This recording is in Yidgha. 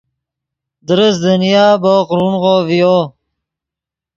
درست دنیا بوق رونغو ڤیو